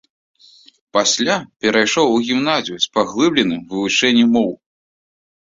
Пасля перайшоў у гімназію з паглыбленым вывучэннем моў.